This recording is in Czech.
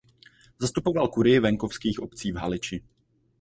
Zastupoval kurii venkovských obcí v Haliči.